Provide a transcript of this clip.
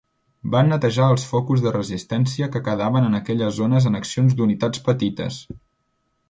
Van netejar els focus de resistència que quedaven en aquelles zones en accions d'unitats petites.